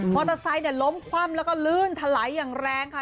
มอเตอร์ไซต์เนี่ยล้มคว่ำแล้วก็ลื่นทะลัยอย่างแรงค่ะ